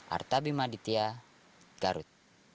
artabi maditya garut